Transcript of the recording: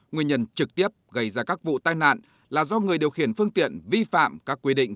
nguyên nhân trực tiếp gây ra các vụ tai nạn là do người điều khiển phương tiện vi phạm các quy định